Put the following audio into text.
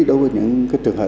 đối với những trường hợp